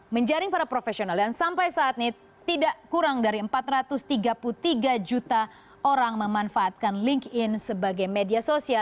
menjaring para profesional dan sampai saat ini tidak kurang dari empat ratus tiga puluh tiga juta orang memanfaatkan linkedin sebagai media sosial